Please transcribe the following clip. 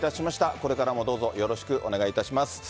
これからもどうぞよろしくお願いいたします。